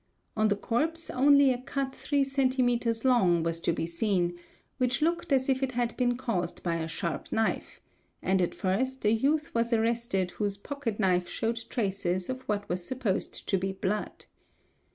On the corpse only a cut 3 centimetres long was to be seen, which looked as if it had been caused by a sharp knife; and at first a youth was arrested whose pocket knife showed traces of what was supposed to be blood.